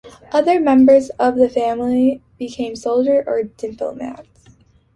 Other members of the family became soldiers or diplomats.